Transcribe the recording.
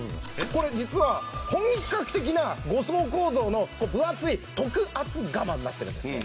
これ実は本格的な５層構造の分厚い特厚釜になってるんですね。